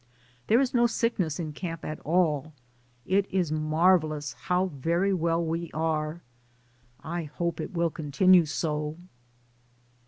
There is no sickness in camp at all ; it is marvelous how very well we are. I hope it will continue so.